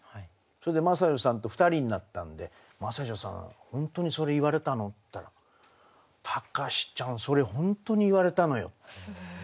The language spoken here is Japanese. それで真砂女さんと２人になったんで「真砂女さん本当にそれ言われたの？」って言ったら「高士ちゃんそれ本当に言われたのよ」。